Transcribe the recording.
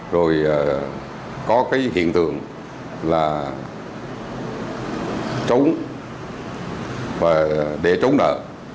rồi có cái hiện tượng là trốn và để trốn nợ